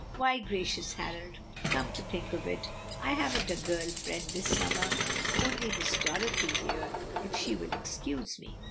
Why, gracious, Harold, come to think of it, I haven't a girl friend this summer only Miss Dorothy here, if she will excuse me."